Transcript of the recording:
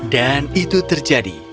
dan itu terjadi